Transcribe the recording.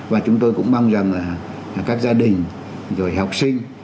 và chúng tôi cũng mong rằng là các gia đình rồi học sinh